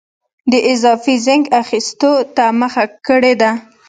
د اضافي زېنک اخیستو ته مخه کړې ده.